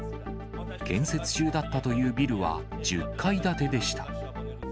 建設中だったというビルは１０階建てでした。